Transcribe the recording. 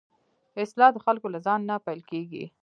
اصلاح د خلکو له ځان نه پيل کېږي.